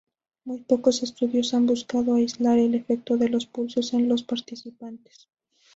Muy pocos estudios han buscado aislar el efecto de los pulsos en los participantes.